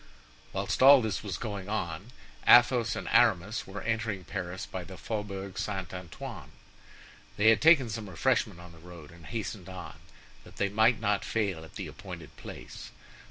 Whilst all this was going on, Athos and Aramis were entering Paris by the Faubourg St. Antoine. They had taken some refreshment on the road and hastened on, that they might not fail at the appointed place.